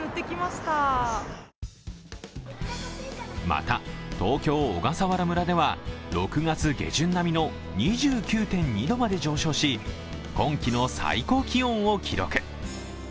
また東京・小笠原村では６月下旬並みの２９．２度まで上昇し今季の最高気温を記録。